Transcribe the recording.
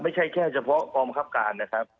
ไม่ใช่แค่เฉพาะกองบังคับการนะครับ